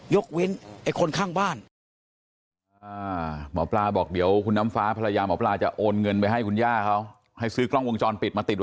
ยกเว้นไอ้คนข้างบ้าน